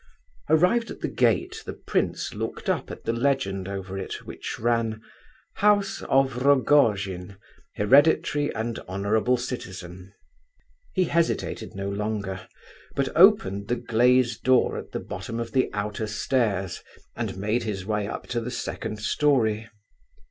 Arrived at the gate, the prince looked up at the legend over it, which ran: "House of Rogojin, hereditary and honourable citizen." He hesitated no longer; but opened the glazed door at the bottom of the outer stairs and made his way up to the second storey.